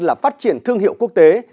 là phát triển thương hiệu quốc tế